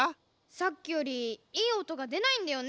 さっきよりいいおとがでないんだよね。